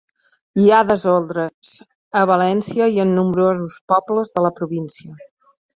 Hi ha desordres a València i en nombrosos pobles de la província.